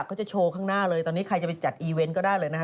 เขาจะโชว์ข้างหน้าเลยตอนนี้ใครจะไปจัดอีเวนต์ก็ได้เลยนะฮะ